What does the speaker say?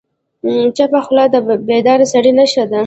چپه خوله، د بیدار سړي نښه ده.